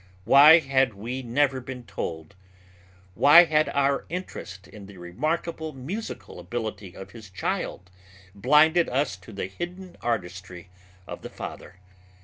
Why had we never been told? Why had our interest in the remarkable musical ability of his child blinded us to the hidden artistic ability of the father?